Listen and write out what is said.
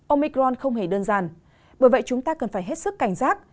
omicron không hề đơn giản bởi vậy chúng ta cần phải hết sức cảnh giác